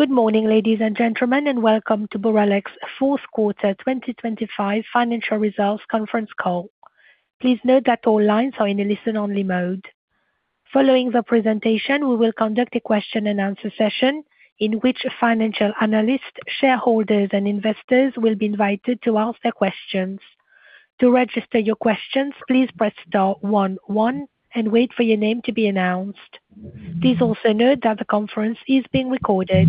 Good morning, ladies and gentlemen, and welcome to Boralex's Fourth Quarter 2025 Financial Results Conference Call. Please note that all lines are in a listen-only mode. Following the presentation, we will conduct a question-and-answer session in which financial analysts, shareholders, and investors will be invited to ask their questions. To register your questions, please press star one one and wait for your name to be announced. Please also note that the conference is being recorded.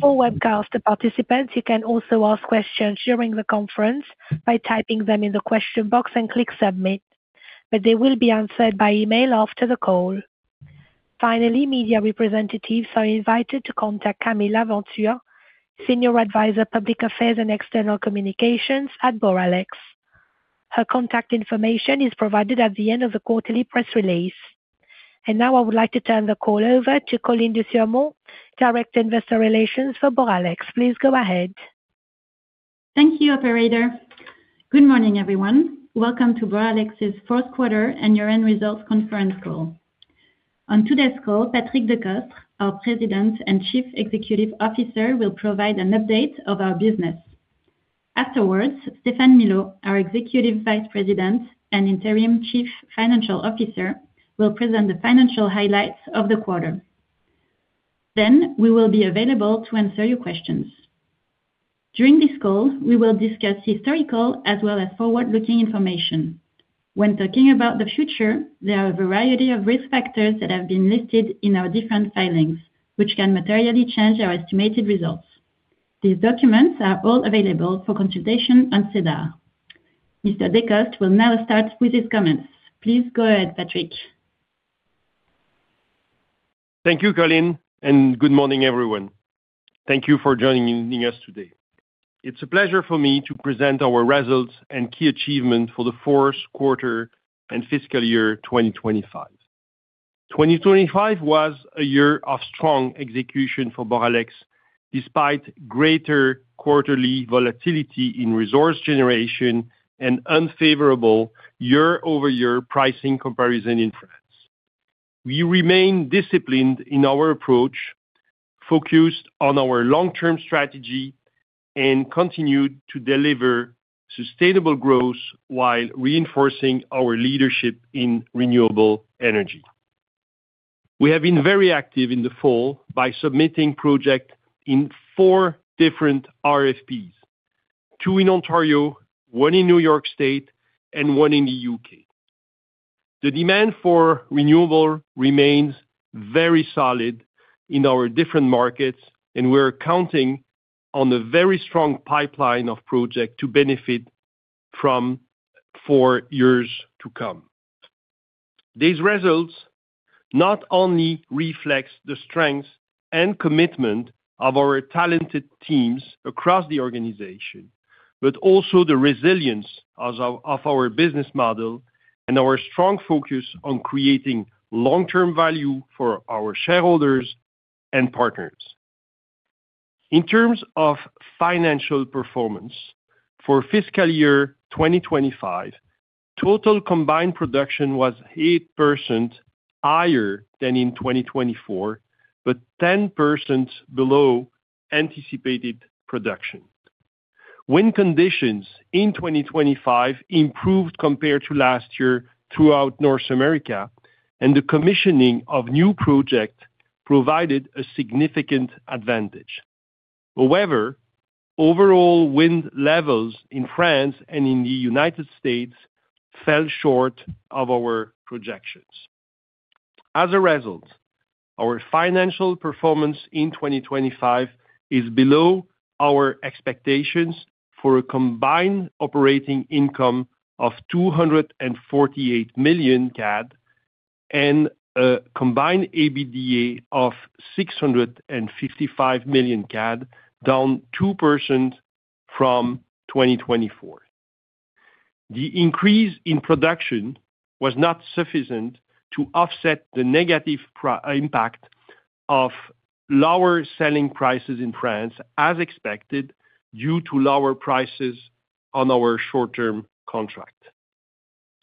For webcast participants, you can also ask questions during the conference by typing them in the question box and click Submit, but they will be answered by email after the call. Finally, media representatives are invited to contact Camille Laventure, Senior Advisor, Public Affairs and External Communications at Boralex. Her contact information is provided at the end of the quarterly press release. Now I would like to turn the call over to Coline Desurmont, Director, Investor Relations for Boralex. Please go ahead. Thank you, operator. Good morning, everyone. Welcome to Boralex's fourth quarter and year-end results conference call. On today's call, Patrick Decostre, our President and Chief Executive Officer, will provide an update of our business. Afterwards, Stéphane Milot, our Executive Vice President and Interim Chief Financial Officer, will present the financial highlights of the quarter. We will be available to answer your questions. During this call, we will discuss historical as well as forward-looking information. When talking about the future, there are a variety of risk factors that have been listed in our different filings, which can materially change our estimated results. These documents are all available for consultation on SEDAR. Mr. Decostre will now start with his comments. Please go ahead, Patrick. Thank you, Coline, and good morning, everyone. Thank you for joining us today. It's a pleasure for me to present our results and key achievements for the fourth quarter and fiscal year 2025. 2025 was a year of strong execution for Boralex, despite greater quarterly volatility in resource generation and unfavorable year-over-year pricing comparison in France. We remain disciplined in our approach, focused on our long-term strategy, and continued to deliver sustainable growth while reinforcing our leadership in renewable energy. We have been very active in the fall by submitting project in four different RFPs, two in Ontario, one in New York State, and one in the U.K. The demand for renewable remains very solid in our different markets, and we're counting on a very strong pipeline of project to benefit from for years to come. These results not only reflects the strength and commitment of our talented teams across the organization, but also the resilience of our business model and our strong focus on creating long-term value for our shareholders and partners. In terms of financial performance, for fiscal year 2025, total combined production was 8% higher than in 2024, but 10% below anticipated production. Wind conditions in 2025 improved compared to last year throughout North America, and the commissioning of new project provided a significant advantage. However, overall wind levels in France and in the United States fell short of our projections. As a result, our financial performance in 2025 is below our expectations for a combined operating income of 248 million CAD and a combined EBITDA of 655 million CAD, down 2% from 2024. The increase in production was not sufficient to offset the negative impact of lower selling prices in France as expected, due to lower prices on our short-term contract.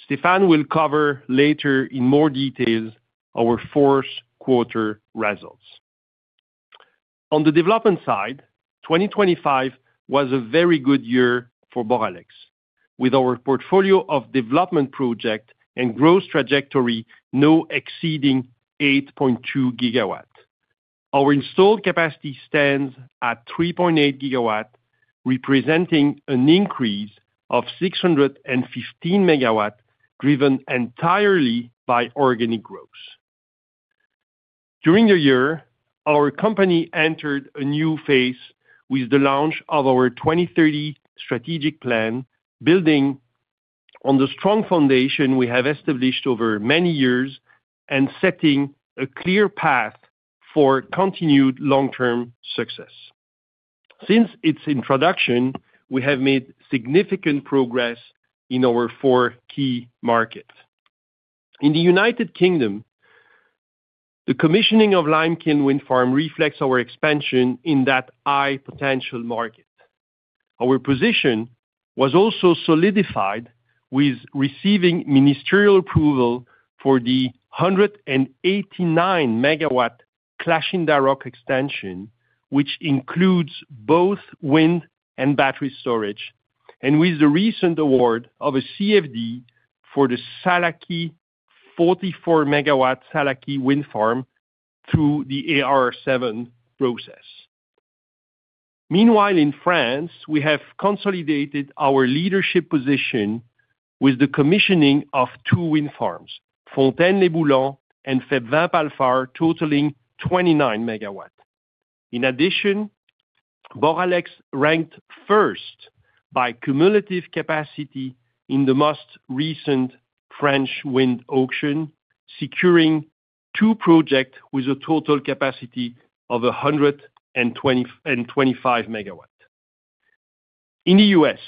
Stéphane will cover later in more details our fourth quarter results. On the development side, 2025 was a very good year for Boralex, with our portfolio of development project and growth trajectory now exceeding 8.2 GW. Our installed capacity stands at 3.8 GW, representing an increase of 615 MW, driven entirely by organic growth. During the year, our company entered a new phase with the launch of our 2030 strategic plan, building on the strong foundation we have established over many years and setting a clear path for continued long-term success. Since its introduction, we have made significant progress in our four key markets. In the United Kingdom, the commissioning of Limekiln Wind Farm reflects our expansion in that high potential market. Our position was also solidified with receiving ministerial approval for the 189 MW Clashindarroch extension, which includes both wind and battery storage, and with the recent award of a CFD for the Sallachy, 44 MW Sallachy Wind Farm through the AR7 process. In France, we have consolidated our leadership position with the commissioning of two wind farms, Fontaine-Lès-Boulans and Febvin-Palfart, totaling 29 MW. Boralex ranked first by cumulative capacity in the most recent French wind auction, securing two projects with a total capacity of a 100 and 20- and 25 MW. In the U.S.,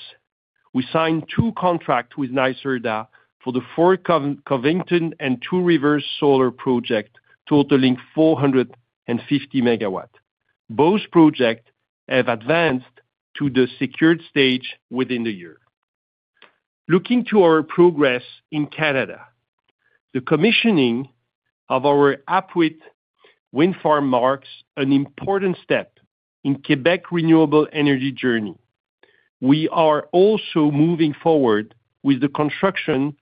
we signed two contracts with NYSERDA for the Fort Covington and Two Rivers Solar Project, totaling 450 MW. Both projects have advanced to the secured stage within the year. Looking to our progress in Canada, the commissioning of our Apuiat wind farm marks an important step in Québec renewable energy journey. We are also moving forward with the construction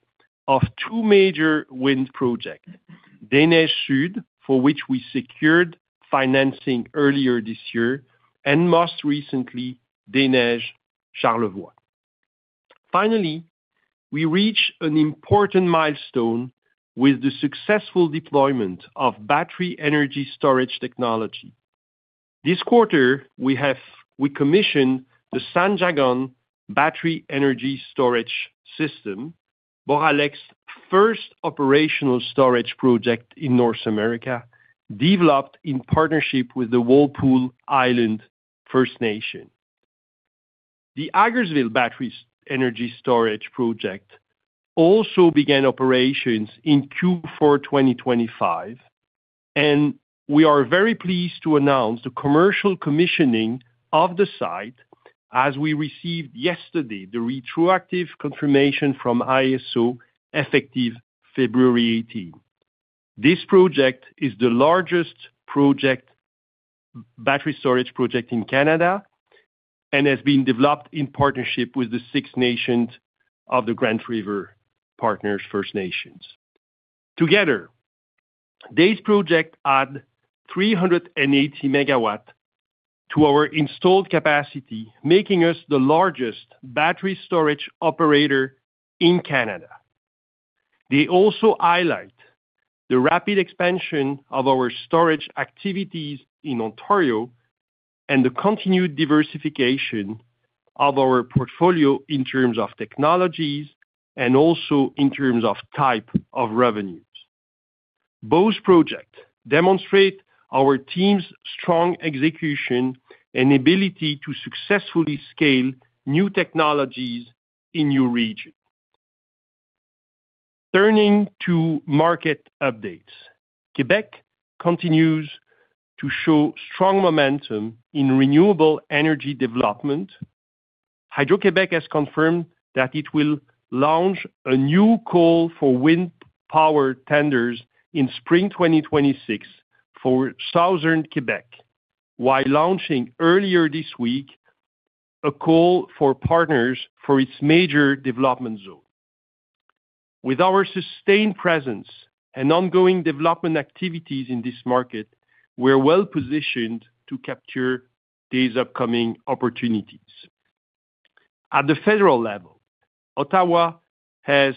of two major wind projects, Des Neiges - Secteur sud, for which we secured financing earlier this year, and most recently, Des Neiges Wind Farm – Charlevoix. Finally, we reach an important milestone with the successful deployment of battery energy storage technology. This quarter, we commissioned the Sanjgon Battery Energy Storage System, Boralex first operational storage project in North America, developed in partnership with the Walpole Island First Nation. The Hagersville Battery Energy Storage Project also began operations in Q4 2025. We are very pleased to announce the commercial commissioning of the site as we received yesterday, the retroactive confirmation from ISO, effective February 18th. This project is the largest project, battery storage project in Canada and has been developed in partnership with the Six Nations of the Grand River Partners First Nations. Together, these projects add 380 MW to our installed capacity, making us the largest battery storage operator in Canada. They also highlight the rapid expansion of our storage activities in Ontario and the continued diversification of our portfolio in terms of technologies and also in terms of type of revenues. Both projects demonstrate our team's strong execution and ability to successfully scale new technologies in new regions. Turning to market updates. Quebec continues to show strong momentum in renewable energy development. Hydro-Québec has confirmed that it will launch a new call for wind power tenders in spring 2026 for Southern Quebec, while launching earlier this week, a call for partners for its major development zone. With our sustained presence and ongoing development activities in this market, we're well positioned to capture these upcoming opportunities. At the federal level, Ottawa has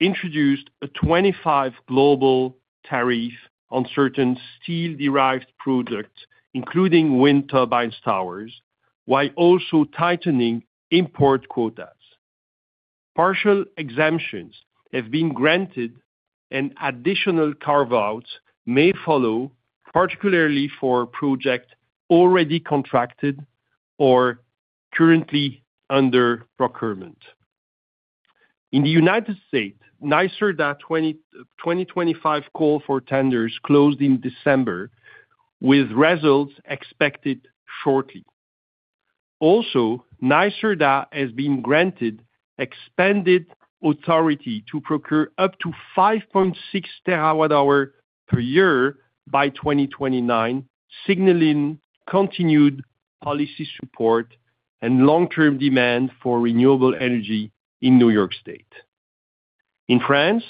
introduced a 25 global tariff on certain steel-derived products, including wind turbine towers, while also tightening import quotas. Partial exemptions have been granted and additional carve-outs may follow, particularly for projects already contracted or currently under procurement. In the United States, NYSERDA 2025 call for tenders closed in December, with results expected shortly. NYSERDA has been granted expanded authority to procure up to 5.6 terawatt hour per year by 2029, signaling continued policy support and long-term demand for renewable energy in New York State. In France,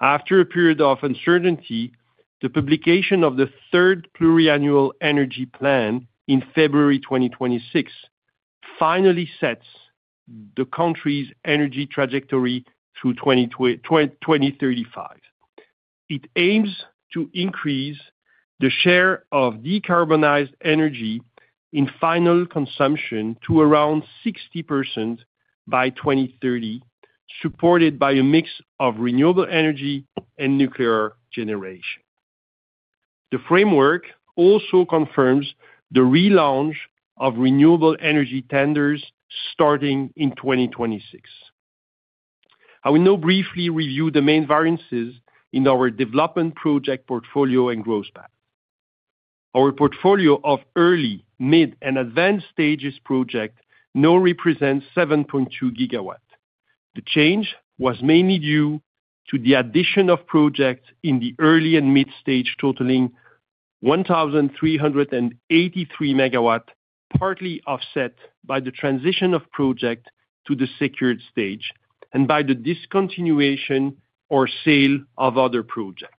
after a period of uncertainty, the publication of the third pluriannual energy plan in February 2026 finally sets the country's energy trajectory through 2035. It aims to increase the share of decarbonized energy in final consumption to around 60% by 2030, supported by a mix of renewable energy and nuclear generation. The framework also confirms the relaunch of renewable energy tenders starting in 2026. I will now briefly review the main variances in our development project, portfolio, and growth path. Our portfolio of early, mid, and advanced stages project now represents 7.2 GW. The change was mainly due to the addition of projects in the early and mid stage, totaling 1,383 MW, partly offset by the transition of project to the secured stage and by the discontinuation or sale of other projects.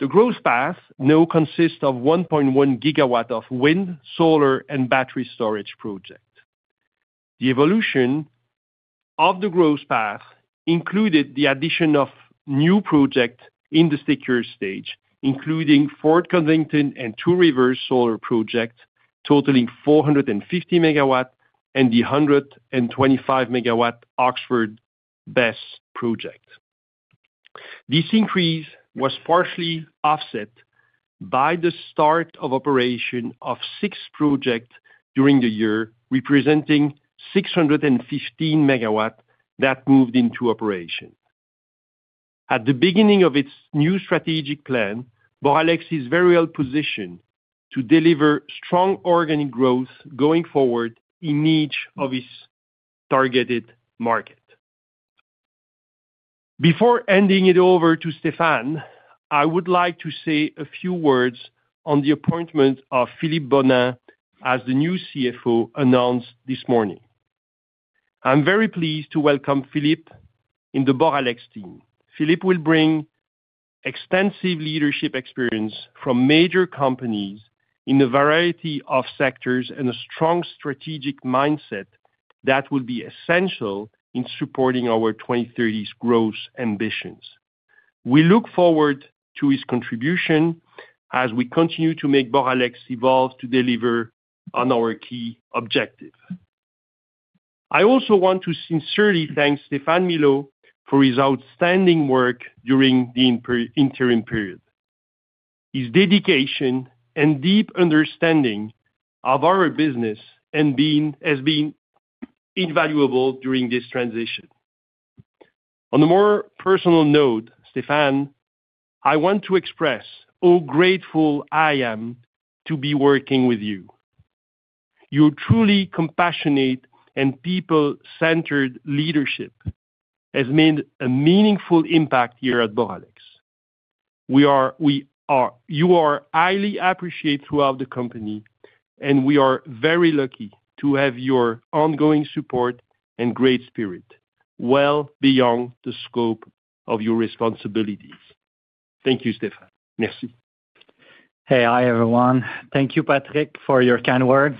The growth path now consists of 1.1 GW of wind, solar, and battery storage projects. The evolution of the growth path included the addition of new projects in the secure stage, including Fort Covington and Two Rivers Solar Project, totaling 450 MW, and the 125 MW Oxford BESS project. This increase was partially offset by the start of operation of six projects during the year, representing 615 MW that moved into operation. At the beginning of its new strategic plan, Boralex is very well positioned to deliver strong organic growth going forward in each of its targeted markets. Before ending it over to Stéphane Milot, I would like to say a few words on the appointment of Philippe Bonin as the new CFO, announced this morning. I'm very pleased to welcome Philippe in the Boralex team. Philippe will bring extensive leadership experience from major companies in a variety of sectors, and a strong strategic mindset that will be essential in supporting our 2030s growth ambitions. We look forward to his contribution as we continue to make Boralex evolve to deliver on our key objective. I also want to sincerely thank Stéphane Milot for his outstanding work during the interim period. His dedication and deep understanding of our business has been invaluable during this transition. On a more personal note, Stéphane, I want to express how grateful I am to be working with you. Your truly compassionate and people-centered leadership has made a meaningful impact here at Boralex. You are highly appreciated throughout the company, and we are very lucky to have your ongoing support and great spirit, well beyond the scope of your responsibilities. Thank you, Stéphane. Merci. Hey, hi, everyone. Thank you, Patrick, for your kind words.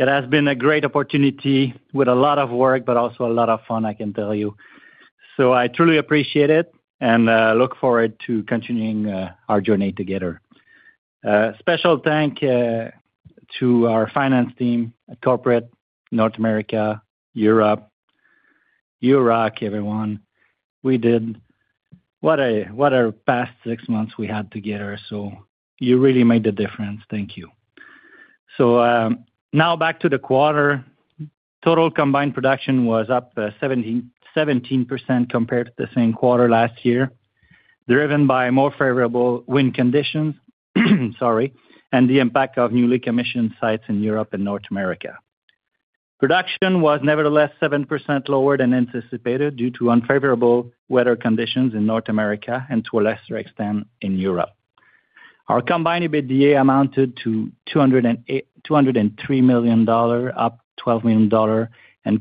It has been a great opportunity with a lot of work, but also a lot of fun, I can tell you. I truly appreciate it and look forward to continuing our journey together. Special thank to our finance team at Corporate North America, Europe. You rock, everyone. What a past six months we had together, so you really made the difference. Thank you. Now back to the quarter. Total combined production was up 17% compared to the same quarter last year, driven by more favorable wind conditions, sorry, and the impact of newly commissioned sites in Europe and North America. Production was nevertheless 7% lower than anticipated, due to unfavorable weather conditions in North America and to a lesser extent, in Europe. Our combined EBITDA amounted to 203 million dollars, up 12 million dollars.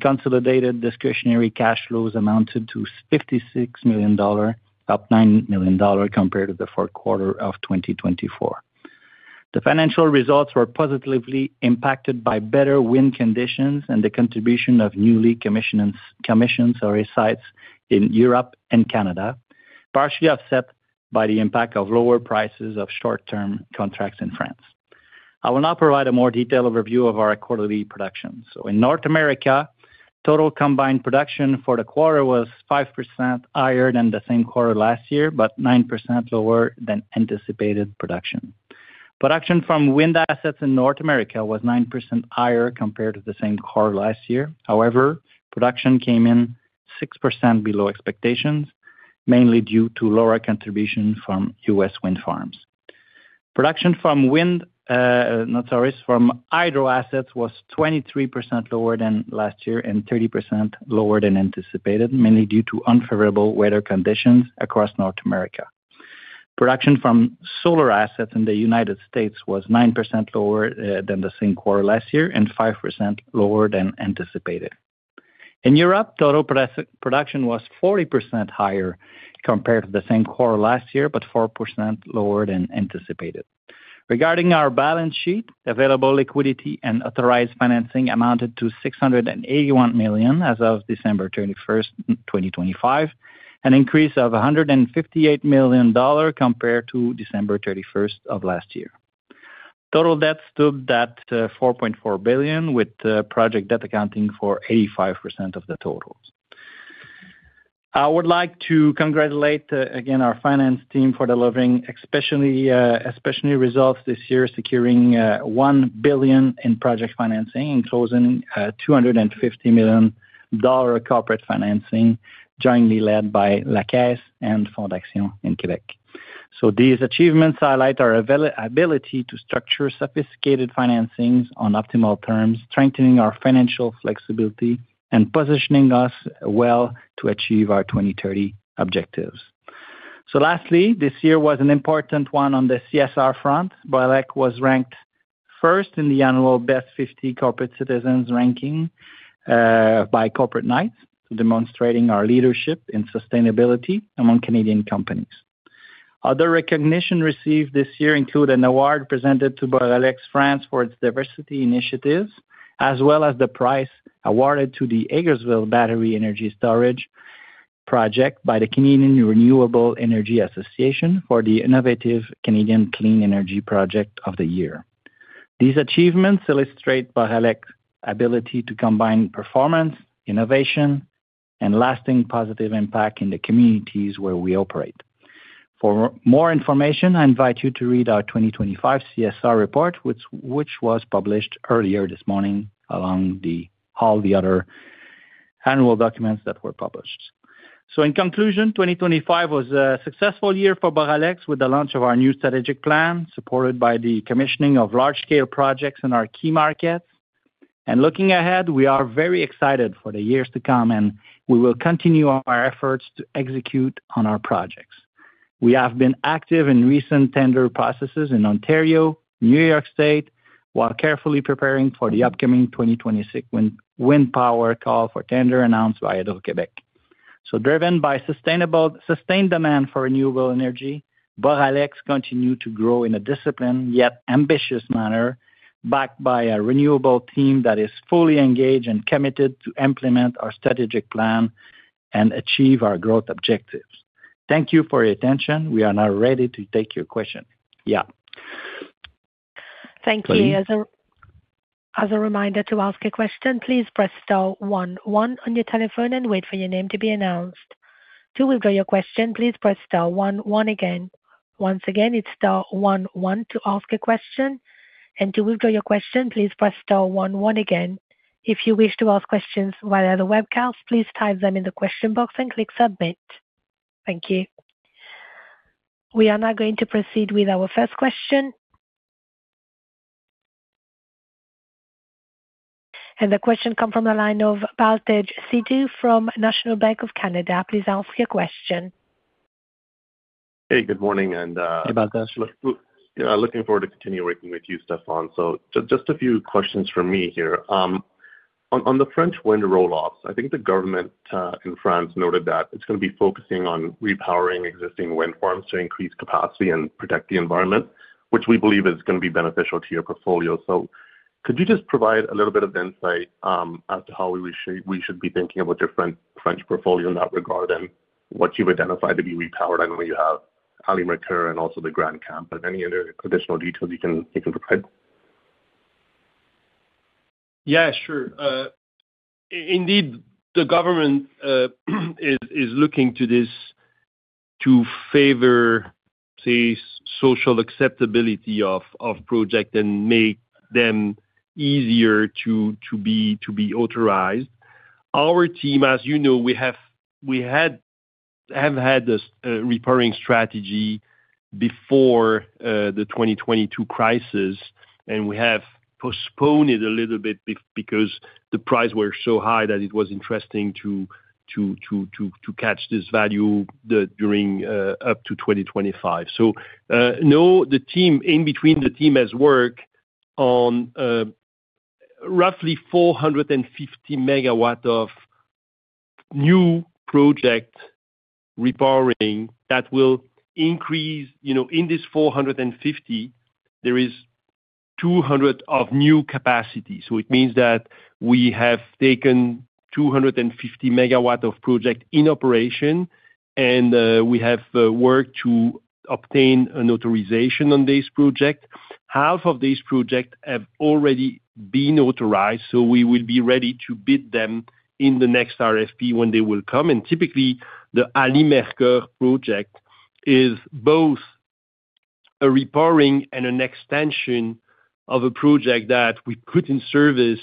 Consolidated discretionary cash flows amounted to 56 million dollars, up 9 million dollars compared to the fourth quarter of 2024. The financial results were positively impacted by better wind conditions and the contribution of newly commissioned sites in Europe and Canada, partially offset by the impact of lower prices of short-term contracts in France. I will now provide a more detailed overview of our quarterly production. In North America, total combined production for the quarter was 5% higher than the same quarter last year, but 9% lower than anticipated production. Production from wind assets in North America was 9% higher compared to the same quarter last year. Production came in 6% below expectations, mainly due to lower contribution from U.S. wind farms. Production from wind, no, sorry. From hydro assets was 23% lower than last year and 30% lower than anticipated, mainly due to unfavorable weather conditions across North America. Production from solar assets in the United States was 9% lower than the same quarter last year and 5% lower than anticipated. In Europe, total production was 40% higher compared to the same quarter last year, but 4% lower than anticipated. Regarding our balance sheet, available liquidity and authorized financing amounted to 681 million as of December 31st, 2025, an increase of $158 million compared to December 31st of last year. Total debt stood at 4.4 billion, with project debt accounting for 85% of the totals. I would like to congratulate again our finance team for delivering especially results this year, securing 1 billion in project financing and closing 250 million dollar corporate financing, jointly led by La Caisse and Fondaction in Quebec. These achievements highlight our availability to structure sophisticated financings on optimal terms, strengthening our financial flexibility and positioning us well to achieve our 2030 objectives. Lastly, this year was an important one on the CSR front. Boralex was ranked first in the annual Best 50 Corporate Citizens ranking by Corporate Knights, demonstrating our leadership in sustainability among Canadian companies. Other recognition received this year include an award presented to Boralex France for its diversity initiatives, as well as the prize awarded to the Hagersville Battery Energy Storage Project by the Canadian Renewable Energy Association for the Innovative Canadian Clean Energy Project of the year. These achievements illustrate Boralex's ability to combine performance, innovation, and lasting positive impact in the communities where we operate. For more information, I invite you to read our 2025 CSR report, which was published earlier this morning, all the other annual documents that were published. In conclusion, 2025 was a successful year for Boralex with the launch of our new strategic plan, supported by the commissioning of large-scale projects in our key markets. Looking ahead, we are very excited for the years to come, and we will continue our efforts to execute on our projects. We have been active in recent tender processes in Ontario, New York State, while carefully preparing for the upcoming 2026 wind power call for tender announced by Hydro-Québec. Driven by sustained demand for renewable energy, Boralex continue to grow in a disciplined, yet ambitious manner, backed by a renewable team that is fully engaged and committed to implement our strategic plan and achieve our growth objectives. Thank you for your attention. We are now ready to take your question. Yeah. Thank you. As a reminder to ask a question, please press star one one on your telephone and wait for your name to be announced. To withdraw your question, please press star one one again. Once again, it's star one one to ask a question. To withdraw your question, please press star one one again. If you wish to ask questions via the webcast, please type them in the question box and click submit. Thank you. We are now going to proceed with our first question. The question come from the line of Baltej Sidhu from National Bank of Canada. Please ask your question. Hey, good morning. Hey, Baltej. Yeah, looking forward to continue working with you, Stéphane. Just a few questions from me here. On the French wind roll-offs, I think the government in France noted that it's going to be focusing on repowering existing wind farms to increase capacity and protect the environment, which we believe is going to be beneficial to your portfolio. Could you just provide a little bit of insight as to how we should be thinking about different French portfolio in that regard and what you've identified to be repowered? I know you have Ally-Mercoeur Wind Farm and also the Grand Camp, any other additional details you can provide? Sure. indeed, the government is looking to this to favor, say, social acceptability of project and make them easier to be authorized. Our team, as you know, we have had this repowering strategy before the 2022 crisis, and we have postponed it a little bit because the price were so high that it was interesting to catch this value, the, during up to 2025. No, the team, in between, the team has worked on roughly 450 MW of new project repowering that will increase, you know, in this 450, there is 200 of new capacity. It means that we have taken 250 MW of project in operation, and we have worked to obtain an authorization on this project. Half of these projects have already been authorized, so we will be ready to bid them in the next RFP when they will come. Typically, the Ally-Mercoeur project is both a repowering and an extension of a project that we put in service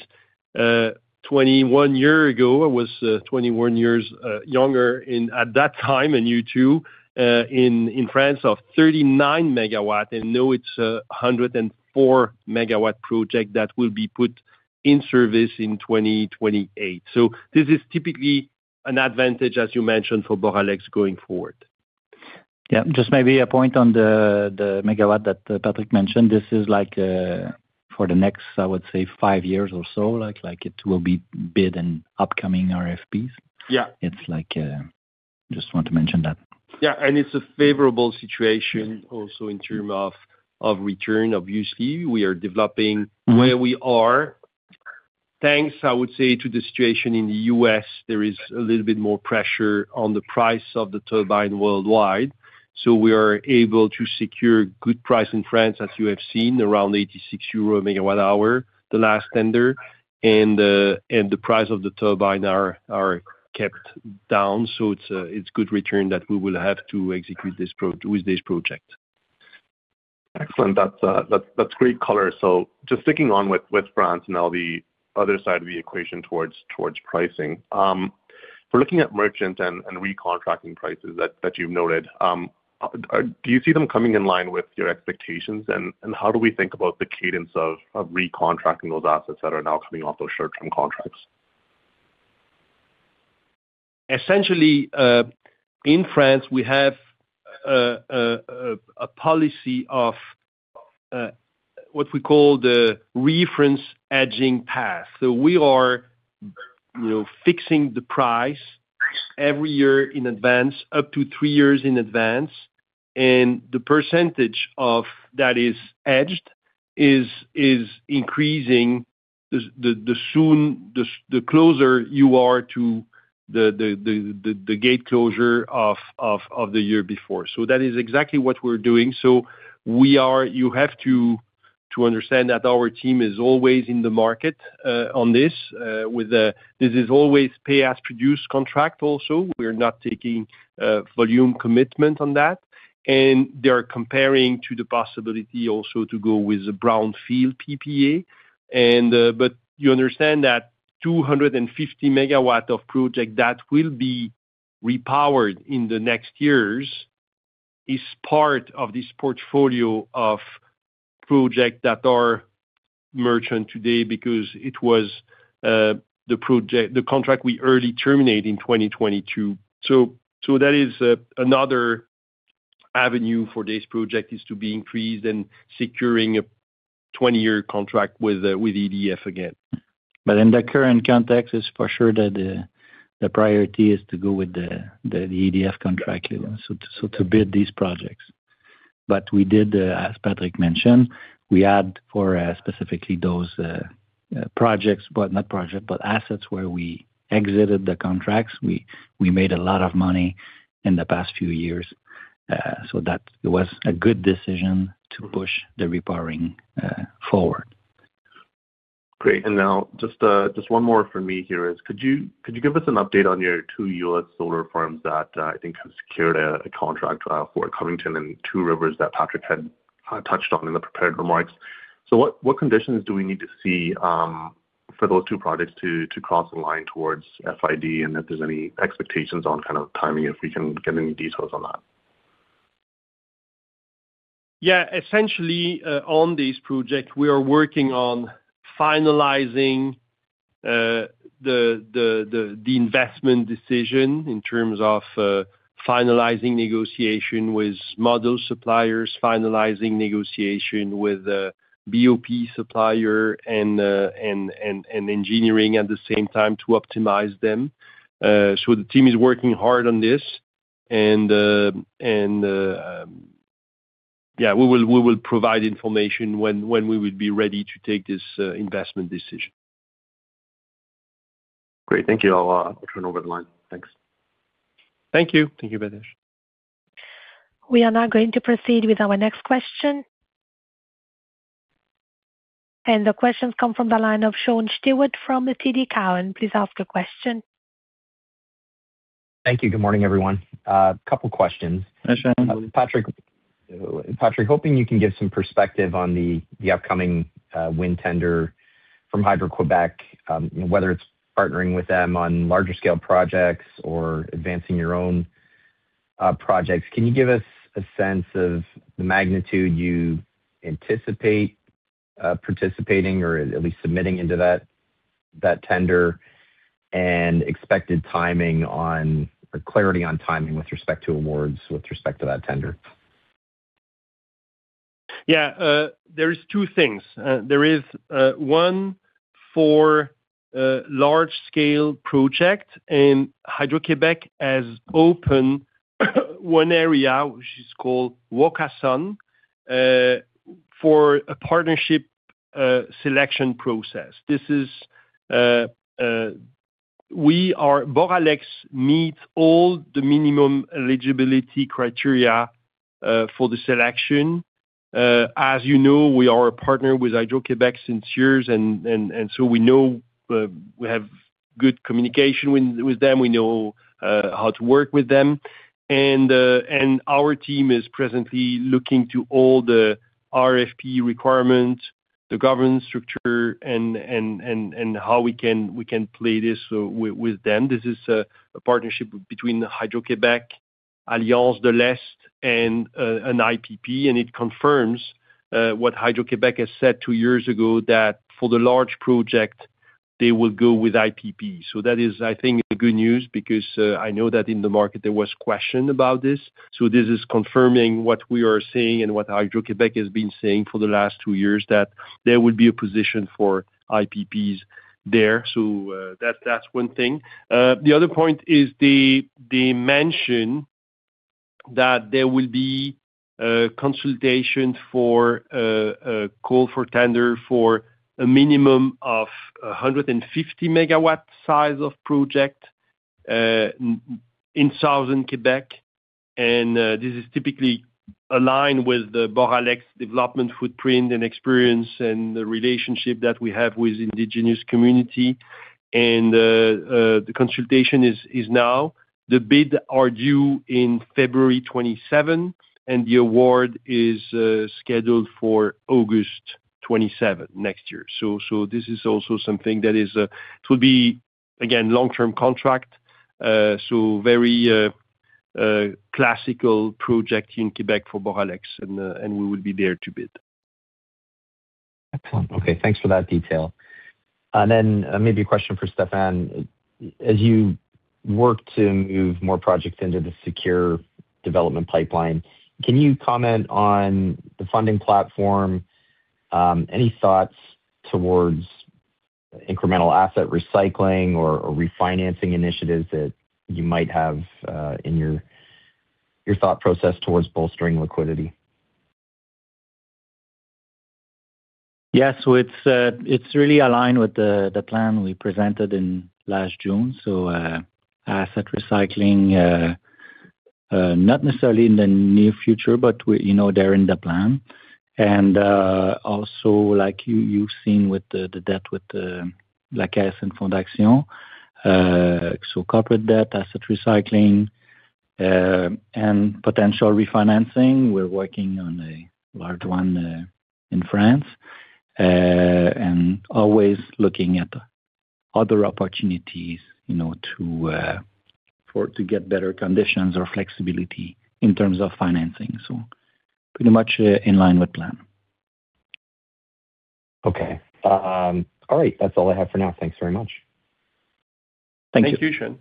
21 year ago. I was 21 years younger in, at that time, and you, too, in France, of 39 MW, and now it's a 104 MW project that will be put in service in 2028. This is typically an advantage, as you mentioned, for Boralex going forward. Yeah, just maybe a point on the megawatt that Patrick mentioned. This is like for the next, I would say, five years or so, like, it will be bid in upcoming RFPs. Yeah. It's like, just want to mention that. Yeah, it's a favorable situation also in term of return of UC. We are developing where we are. Thanks, I would say, to the situation in the U.S., there is a little bit more pressure on the price of the turbine worldwide. We are able to secure good price in France, as you have seen, around 86 euro megawatt hour, the last tender, and the price of the turbine are kept down. It's a good return that we will have to execute this project. Excellent. That's great color. Just sticking with France now, the other side of the equation towards pricing. For looking at merchant and recontracting prices that you've noted, do you see them coming in line with your expectations? How do we think about the cadence of recontracting those assets that are now coming off those short-term contracts? Essentially, in France, we have a policy of what we call thereference hedging path. We are, you know, fixing the price every year in advance, up to three years in advance, and the percentage of that is edged is increasing the closer you are to the gate closure of the year before. That is exactly what we're doing. You have to understand that our team is always in the market on this, with this is always pay-as-produced contract also. We're not taking volume commitment on that, and they are comparing to the possibility also to go with the brownfield PPA. You understand that 250 MW of project that will be repowered in the next years is part of this portfolio of project that are merchant today because it was the contract we early terminate in 2022. That is another avenue for this project is to be increased and securing a 20-year contract with EDF again. In the current context, it's for sure that the priority is to go with the EDF contract, so to build these projects. We did, as Patrick mentioned, we add for specifically those projects, but not project, but assets where we exited the contracts. We made a lot of money in the past few years, so that was a good decision to push the repowering forward. Great. Now just one more for me here is: Could you give us an update on your two U.S. solar farms that I think have secured a contract for Fort Covington and Two Rivers that Patrick had touched on in the prepared remarks? What conditions do we need to see for those two projects to cross the line towards FID? If there's any expectations on kind of timing, if we can get any details on that. Yeah. Essentially, on this project, we are working on finalizing the investment decision in terms of finalizing negotiation with module suppliers, finalizing negotiation with BOP supplier, and engineering at the same time to optimize them. The team is working hard on this, and yeah, we will provide information when we will be ready to take this investment decision. Great. Thank you. I'll turn over the line. Thanks. Thank you. Thank you, Baltej Sidhu. We are now going to proceed with our next question. The questions come from the line of Sean Steuart, from the TD Cowen. Please ask your question. Thank you. Good morning, everyone. A couple questions. Hi, Sean. Patrick, hoping you can give some perspective on the upcoming wind tender from Hydro-Québec, whether it's partnering with them on larger scale projects or advancing your own projects. Can you give us a sense of the magnitude you anticipate participating or at least submitting into that tender, or clarity on timing with respect to awards, with respect to that tender? Yeah, there is two things. There is one for large scale project. Hydro-Québec has opened one area, which is called Wocawson, for a partnership, selection process. This is. Boralex meet all the minimum eligibility criteria, for the selection. As you know, we are a partner with Hydro-Québec since years. We know, we have good communication with them. We know, how to work with them. Our team is presently looking to all the RFP requirements, the governance structure, and how we can, we can play this, with them. This is a partnership between Hydro-Québec, Alliance de l'Est and an IPP. It confirms what Hydro-Québec has said two years ago, that for the large project, they will go with IPP. That is, I think, good news because I know that in the market there was question about this. This is confirming what we are saying and what Hydro-Québec has been saying for the last two years, that there would be a position for IPPs there. That's one thing. The other point is they mention that there will be consultation for a call for tender for a minimum of 150 MW size of project in southern Québec. This is typically aligned with the Boralex development footprint and experience and the relationship that we have with indigenous community. The consultation is now. The bid are due in February 27, and the award is scheduled for August 27 next year. This is also something that it will be, again, long-term contract, so very classical project in Quebec for Boralex, and we will be there to bid. Excellent. Okay, thanks for that detail. Maybe a question for Stéphane. As you work to move more projects into the secure development pipeline, can you comment on the funding platform? Any thoughts towards incremental asset recycling or refinancing initiatives that you might have in your thought process towards bolstering liquidity? Yes. It's really aligned with the plan we presented in last June. Asset recycling, not necessarily in the near future, but, you know, they're in the plan. Also, like you've seen with the debt with the La Caisse and Fondaction. Corporate debt, asset recycling, and potential refinancing. We're working on a large one in France, and always looking at other opportunities, you know, to get better conditions or flexibility in terms of financing. Pretty much in line with plan. Okay. All right. That's all I have for now. Thanks very much. Thank you. Thank you, Sean.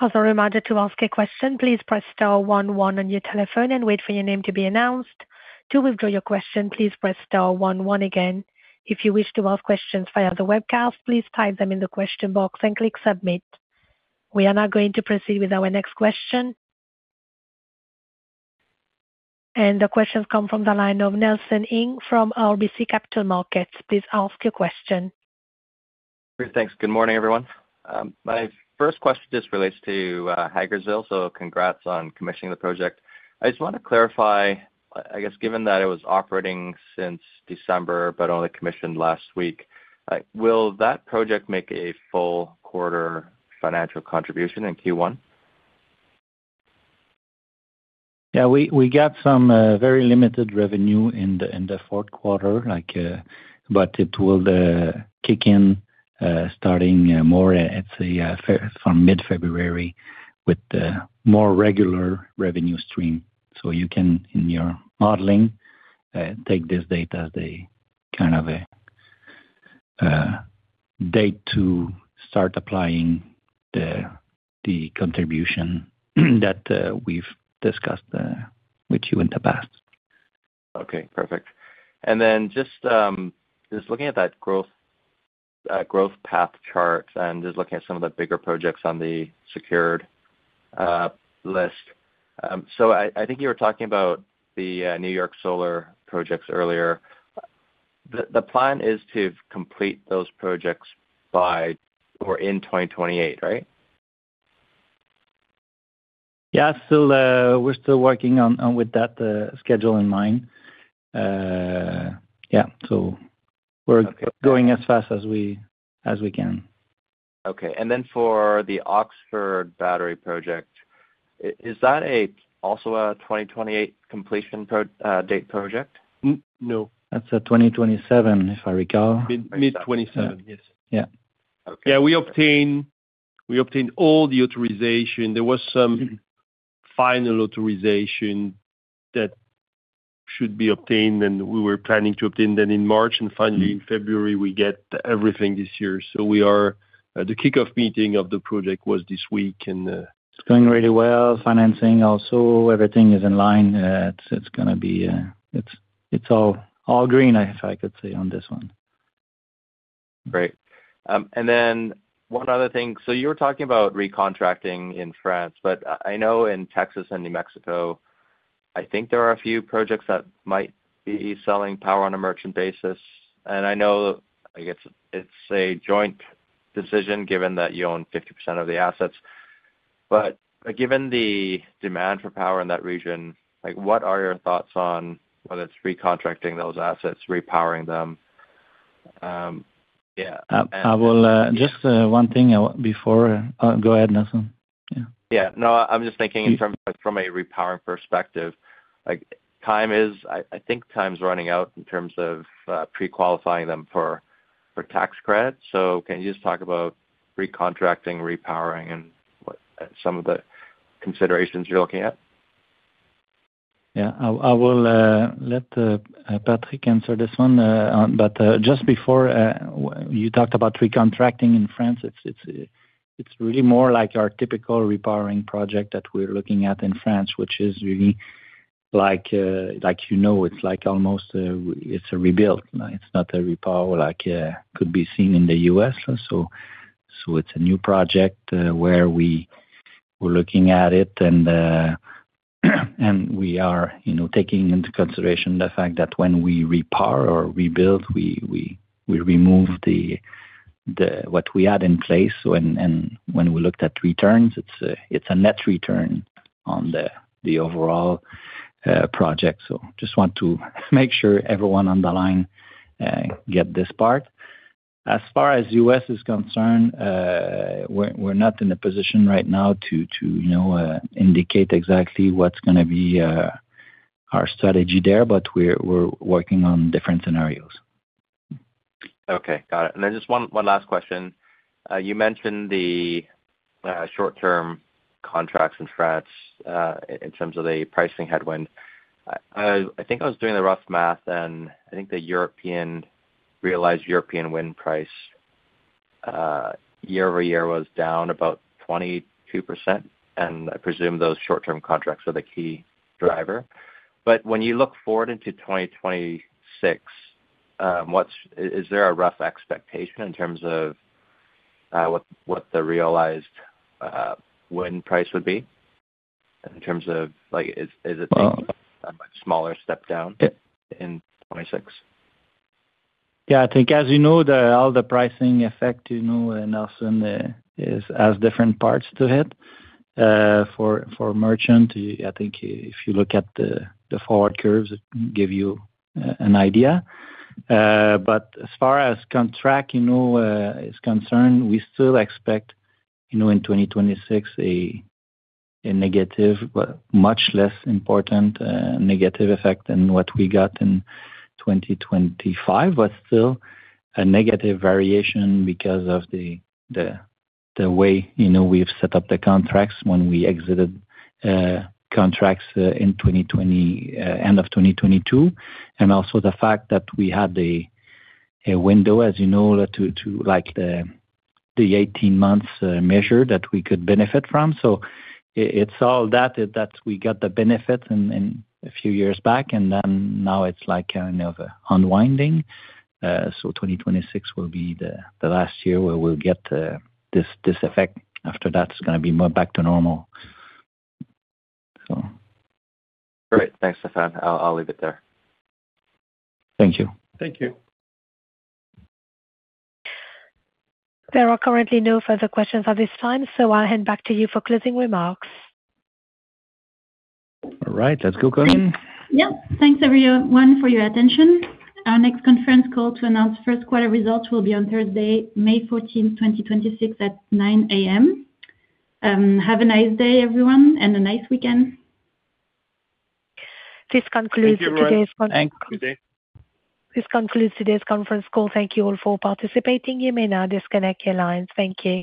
As a reminder, to ask a question, please press star one one on your telephone and wait for your name to be announced. To withdraw your question, please press star one one again. If you wish to ask questions via the webcast, please type them in the question box and click submit. We are now going to proceed with our next question. The questions come from the line of Nelson Ng from RBC Capital Markets. Please ask your question. Great. Thanks. Good morning, everyone. My first question just relates to Hagersville. Congrats on commissioning the project. I just want to clarify, I guess, given that it was operating since December, but only commissioned last week, will that project make a full quarter financial contribution in Q1? Yeah, we got some very limited revenue in the fourth quarter, like. It will kick in starting more at, say, from mid-February with more regular revenue stream. You can, in your modeling, take this date as a kind of a date to start applying the contribution that we've discussed with you in the past. Okay, perfect. Just looking at that growth path chart and just looking at some of the bigger projects on the secured list. I think you were talking about the New York solar projects earlier. The plan is to complete those projects by or in 2028, right? Yeah, still, we're still working on with that schedule in mind. Yeah. Okay. going as fast as we can. Okay. Then for the Oxford Battery project, is that a, also a 2028 completion date project? no. That's a 2027, if I recall. Mid 27. Yes. Yeah. Okay. We obtained all the authorization. There was some final authorization that should be obtained, and we were planning to obtain them in March, and finally in February, we get everything this year. We are. The kickoff meeting of the project was this week. It's going really well. Financing also, everything is in line. It's gonna be it's all green, if I could say, on this one. Great. Then one other thing. You were talking about recontracting in France, but I know in Texas and New Mexico, I think there are a few projects that might be selling power on a merchant basis. I know, I guess, it's a joint decision, given that you own 50% of the assets. Given the demand for power in that region, like, what are your thoughts on whether it's recontracting those assets, repowering them? I will just one thing before. Go ahead, Nelson. Yeah. Yeah. No, I'm just thinking in terms, from a repowering perspective, like, time's running out in terms of pre-qualifying them for tax credits. Can you just talk about recontracting, repowering, and what some of the considerations you're looking at? Yeah. I will let Patrick answer this one. Just before, you talked about recontracting in France, it's, it's really more like our typical repowering project that we're looking at in France, which is really like, you know, it's like almost, it's a rebuild. It's not a repower like could be seen in the US. It's a new project, where we're looking at it, and we are, you know, taking into consideration the fact that when we re-power or rebuild, we remove the what we had in place. When, and when we looked at returns, it's a, it's a net return on the overall project. Just want to make sure everyone on the line get this part. As far as U.S. is concerned, we're not in a position right now to, you know, indicate exactly what's gonna be our strategy there, but we're working on different scenarios. Okay, got it. Just one last question. You mentioned the short-term contracts in France in terms of the pricing headwind. I think I was doing the rough math, and I think the European, realized European wind price year-over-year was down about 22%, and I presume those short-term contracts are the key driver. When you look forward into 2026, is there a rough expectation in terms of what the realized wind price would be, in terms of, like, is it Well- a much smaller step down in 2026? Yeah, I think, as you know, the, all the pricing effect, you know, Nelson, is, has different parts to it. For, for merchant, I think if you look at the forward curves, it give you an idea. As far as contract, you know, is concerned, we still expect, you know, in 2026, a negative, but much less important, negative effect than what we got in 2025. Still a negative variation because of the, the way, you know, we've set up the contracts when we exited contracts in 2020, end of 2022. Also the fact that we had a window, as you know, to, like, the 18 months measure that we could benefit from. It's all that we got the benefit in a few years back, and then now it's like kind of unwinding. 2026 will be the last year where we'll get, this effect. After that, it's going to be more back to normal. Great. Thanks, Stéphane. I'll leave it there. Thank you. Thank you. There are currently no further questions at this time, so I'll hand back to you for closing remarks. All right. Let's go, Coline. Yep. Thanks, everyone, for your attention. Our next conference call to announce first quarter results will be on Thursday, May 14th, 2026, at 9:00 A.M. Have a nice day, everyone, and a nice weekend. This concludes today's. Thanks. This concludes today's conference call. Thank you all for participating. You may now disconnect your lines. Thank you.